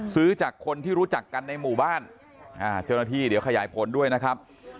ซื้อจากคนที่รู้จักกันในหมู่บ้านเจ้าหน้าที่เดี๋ยวขยายผลด้วยนะครับ